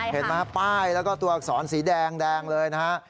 เห็นไหมป้ายแล้วก็ตัวอักษรสีแดงเลยนะฮะ